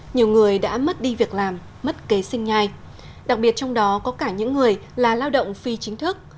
nhiều người đã mất đi việc làm mất kế sinh nhai đặc biệt trong đó có cả những người là lao động phi chính thức